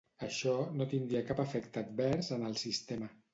Això no tindria cap efecte advers en el sistema.